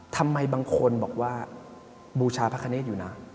ทำไมบางคนบอกว่าบูชาพระคเนตอยู่นะ